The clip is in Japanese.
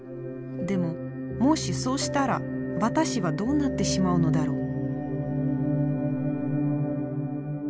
でももしそうしたら私はどうなってしまうのだろう。